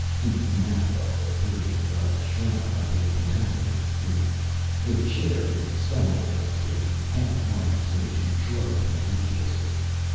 The nap of the Persian rug shrank from his contaminating feet. The chair he stumbled against in the half light seemed to shrug contemptuously.